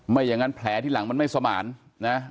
ไม่อย่างงั้นแผลที่หลังมันไม่สมาร์นนะฮะ